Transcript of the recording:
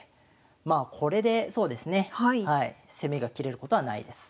まあこれでそうですね攻めが切れることはないです。